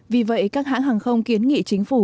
vì vậy các hãng hàng không kiến nghị chính phủ